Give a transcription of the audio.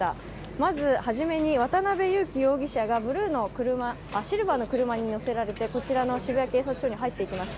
まず初めに渡辺優樹容疑者がシルバーの車に乗せられてこちら渋谷警察署に入っていきました。